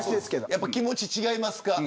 やっぱり気持ちが違いますか。